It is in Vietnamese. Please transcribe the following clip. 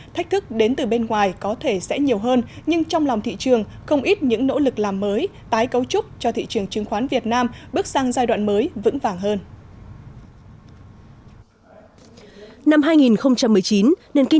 thách thức đến từ bên ngoài có thể sẽ nhiều hơn nhưng trong lòng thị trường không ít những nỗ lực làm mới tái cấu trúc cho thị trường chứng khoán việt nam bước sang giai đoạn mới vững vàng hơn